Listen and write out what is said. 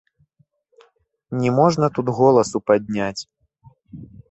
Не можна тут голасу падняць.